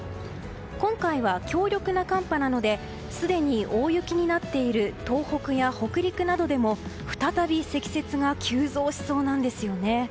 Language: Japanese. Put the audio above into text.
今回は強力な寒波なのですでに大雪になっている東北や北陸などでも、再び積雪が急増しそうなんですよね。